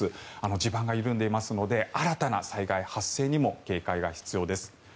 地盤が緩んでいますので新たな災害発生にも警戒が必要です。